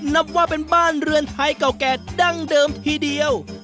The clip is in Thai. นับว่าเป็นบ้านเรือนไทยเก่าแก่ดั้งเดิมทีเดียว